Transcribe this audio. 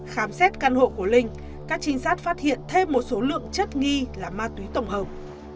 khám xét căn hộ của linh các trinh sát phát hiện thêm một số lượng chất nghi là ma túy tổng hợp